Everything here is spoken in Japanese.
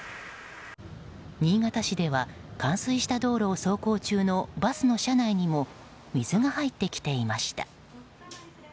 新潟市では冠水した道路を走行中のバスの車内にも水が入ってきていました。